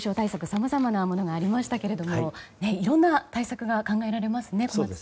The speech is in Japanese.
さまざまなものがありましたがいろんな対策が考えられますね。